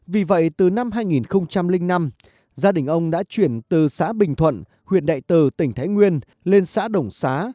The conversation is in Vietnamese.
vì vậy từ năm hai nghìn năm gia đình ông đã chuyển từ xã bình thuận huyện đại từ tỉnh thái nguyên lên xã đồng xá